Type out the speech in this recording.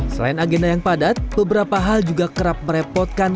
selain agenda yang padat beberapa hal juga kerap merepotkan